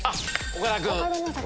岡田君！